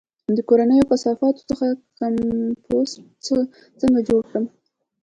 د کورنیو کثافاتو څخه کمپوسټ څنګه جوړ کړم؟